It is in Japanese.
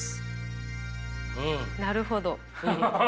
なるほど。